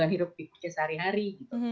hidup di pekerjaan sehari hari